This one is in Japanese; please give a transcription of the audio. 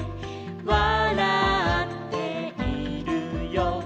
「わらっているよ」